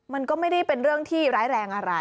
มันก็ไม่ได้เป็นเรื่องที่ร้ายแรงอะไร